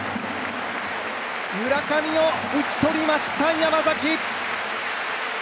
村上を打ち取りました、山崎。